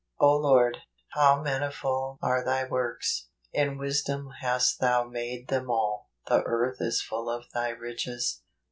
" 0 Lord, how manifold are thy works! in wis¬ dom hast thou made them all: the earth is full o/ thy riches."